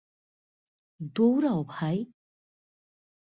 দৌড়াও, ভাই!